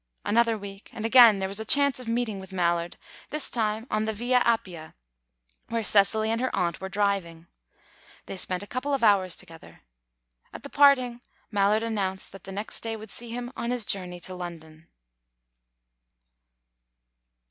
Another week, and again there was a chance meeting with Mallard, this time on the Via Appia, where Cecily and her aunt were driving. They spent a couple of hours together. At the parting, Mallard announced that the next day would see him on his journey to London.